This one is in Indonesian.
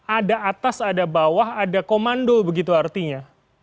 ada atas ada bawah ada komando begitu artinya